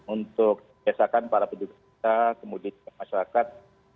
untuk biasakan para penduduk kita kemudian masyarakat